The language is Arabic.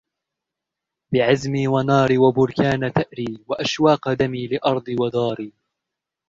بعزمي وناري وبركان ثأري وأشواق دمي لأرضي وداري